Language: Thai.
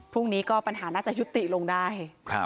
พรุ่งนี้ก็ปัญหาน่าจะยุติลงได้